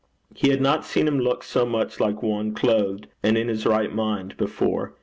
He had not seen him look so much like one 'clothed, and in his right mind,' before.